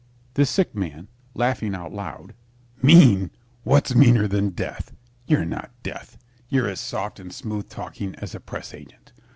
THE SICK MAN (laughing out loud) Mean! What's meaner than Death? You're not Death. You're as soft and smooth talking as a press agent.